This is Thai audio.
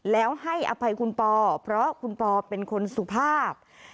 แล้วให้อภัยคุณปอเพราะคุณปอเป็นคนสุภาพ